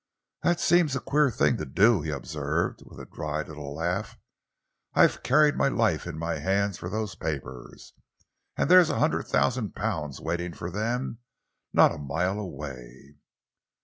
"That seems a queer thing to do," he observed, with a dry little laugh. "I've carried my life in my hands for those papers, and there's a hundred thousand pounds waiting for them, not a mile away."